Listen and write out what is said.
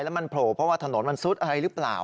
แล้วมันโผล่เพราะว่าถนนมันซุดอะไรหรือเปล่า